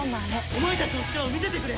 お前たちの力を見せてくれ！